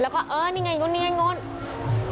แล้วก็นี่ไงนี่ไงนี่ไง